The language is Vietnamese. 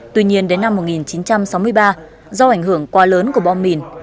tuy nhiên đến năm một nghìn chín trăm sáu mươi ba do ảnh hưởng quá lớn của bom mìn